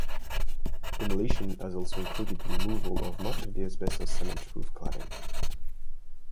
Demolition has also included the removal of much of the asbestos cement roof cladding.